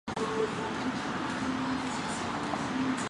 里贝鲁贡萨尔维斯是巴西皮奥伊州的一个市镇。